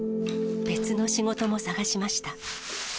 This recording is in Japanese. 別の仕事も探しました。